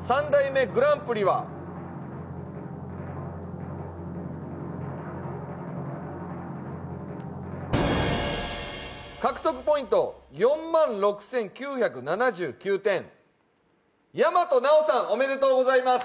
３代目グランプリは獲得ポイント４万６９７９点、大和奈央さん、おめでとうございます。